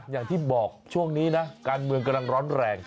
อย่างที่บอกช่วงนี้นะการเมืองกำลังร้อนแรง